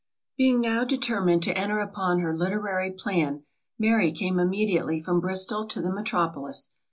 Being now determined to enter upon her literary plan, Mary came immediately from Bristol to the metropolis.